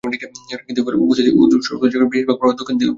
উৎপত্তিস্থল হতে নদীর বেশীরভাগ প্রবাহ দক্ষিণ-পূর্ব দিকে প্রবাহিত হয়েছে।